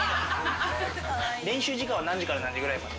練習時間は何時から何時まで？